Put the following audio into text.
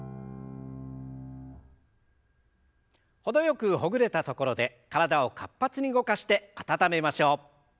程よくほぐれたところで体を活発に動かして温めましょう。